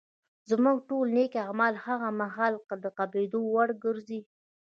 زموږ ټول نېک اعمال هغه مهال د قبلېدو وړ ګرځي